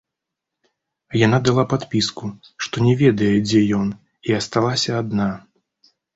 Яна дала падпіску, што не ведае, дзе ён, і асталася адна.